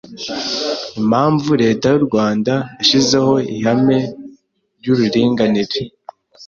Impamvu Leta y’u Rwanda yashyizeho ihame ry’uuringanire